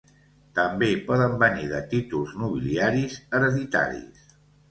També poden venir de títols nobiliaris hereditaris.